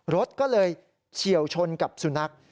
รถก็เลยเฉียวชนกับสุนัข